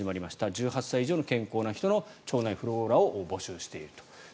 １８歳以上の健康な人の腸内フローラを募集していると。